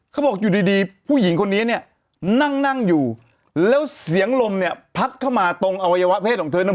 เขาบอกอยู่ดีดีผู้หญิงคนนี้เนี่ยนั่งนั่งอยู่แล้วเสียงลมเนี่ยพัดเข้ามาตรงอวัยวะเพศของเธอนั้น